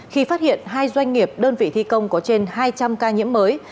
khi phát hiện hai doanh nghiệp đơn vị thi công có trên hai trăm linh ca nhiễm mới